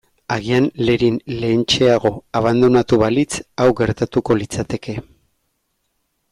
Agian Lerin lehentxeago abandonatu balitz hau gertatuko litzateke.